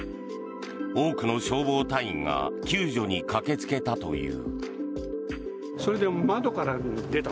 多くの消防隊員が救助に駆けつけたという。